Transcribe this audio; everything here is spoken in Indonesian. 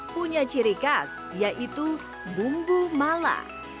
punya ciri khas yaitu bumbu mala